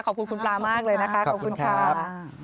ขอบคุณคุณปลามากเลยนะคะขอบคุณค่ะ